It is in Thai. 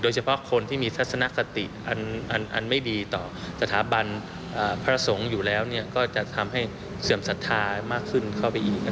เฉพาะคนที่มีทัศนคติอันไม่ดีต่อสถาบันพระสงฆ์อยู่แล้วก็จะทำให้เสื่อมศรัทธามากขึ้นเข้าไปอีก